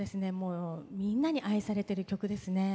みんなに愛されてる曲ですね。